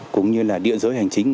cũng như địa giới hành chính